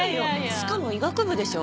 しかも医学部でしょ？